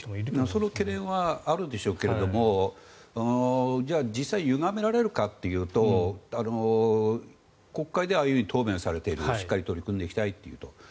その懸念はあるでしょうがじゃあ実際ゆがめられるかというと国会でああいうふうに答弁されているしっかり取り組んでいきたいと。